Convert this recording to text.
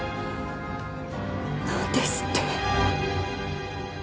何ですって！？